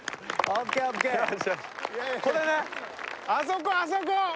あそこあそこ！